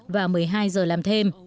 và một mươi hai giờ làm thêm